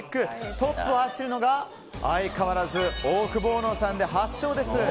トップを走るのが相変わらずオオクボーノさんで８勝です。